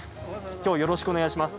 きょう、よろしくお願いします。